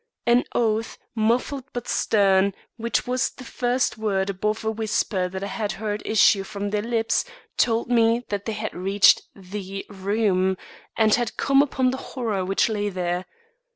An oath, muffled but stern, which was the first word above a whisper that I had heard issue from their lips, told me that they had reached the room and had come upon the horror which lay there.